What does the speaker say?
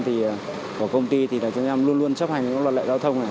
thì của công ty thì chúng em luôn luôn chấp hành những loạt loại giao thông này